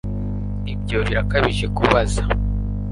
ibyo birakabije kubaza